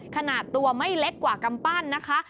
ขนาดตัวไม่เล็กกว่ากำปั้นนะคะ